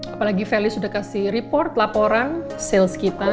apalagi feli sudah kasih report laporan sales kita